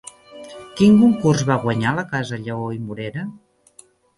Quin concurs va guanyar la casa Lleó i Morera?